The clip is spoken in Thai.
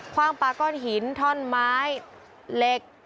ว่างปลาก้อนหินท่อนไม้เหล็ก